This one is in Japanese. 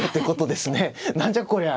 何じゃこりゃ！？